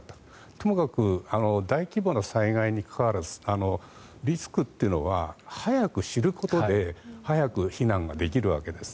ともかく大規模な災害に関わらずリスクというのは早く知ることで早く避難ができるわけです。